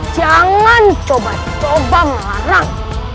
jangan coba coba melarang